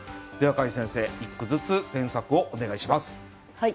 では櫂先生１句ずつ添削をお願いします。